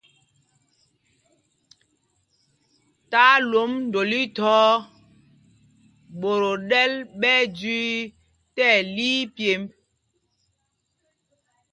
Tí alwomb ndol ithwɔɔ, ɓot o ɗɛl ɓɛ ɛjüü tí ɛli ipyemb.